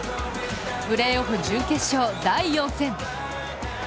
プレーオフ準決勝、第４戦。